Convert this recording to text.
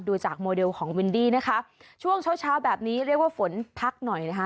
ดูจากโมเดลของวินดี้นะคะช่วงเช้าเช้าแบบนี้เรียกว่าฝนพักหน่อยนะคะ